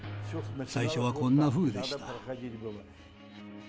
最初はこんなふうでした。